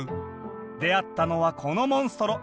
出会ったのはこのモンストロ。